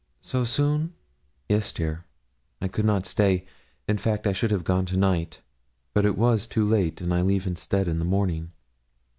'So soon!' 'Yes, dear; I could not stay; in fact, I should have gone to night, but it was too late, and I leave instead in the morning.'